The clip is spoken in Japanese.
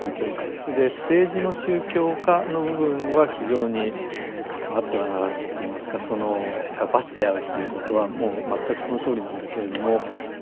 それで政治の宗教化の部分は非常にあってはならないといいますかそのバツであるということはもう全くそのとおりなんだけれども。